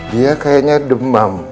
dia kayaknya demam